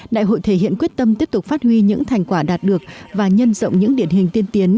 đại hội thể hiện quyết tâm tiếp tục phát huy những thành quả đạt được và nhân rộng những điển hình tiên tiến